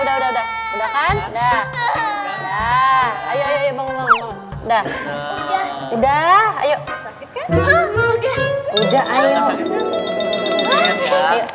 udah udah udah udah udah kan udah ayo panggu nggak udah ayok udah ayo udah ayo